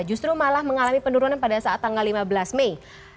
justru malah mengalami penurunan pada saat tanggal lima belas mei